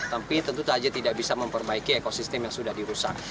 tapi tentu saja tidak bisa memperbaiki ekosistem yang sudah dirusak